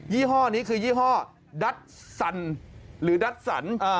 ี่ห้อนี้คือยี่ห้อดัสสันหรือดัสสัน